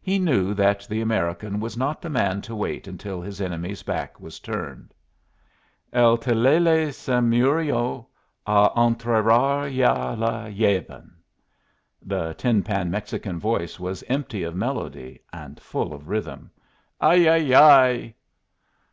He knew that the American was not the man to wait until his enemy's back was turned. "'El telele se murió A enterrar ya le llevan '" The tin pan Mexican voice was empty of melody and full of rhythm. "'Ay! Ay!